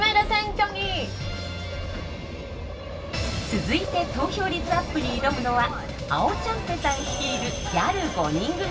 続いて投票率アップに挑むのはあおちゃんぺさん率いるギャル５人組！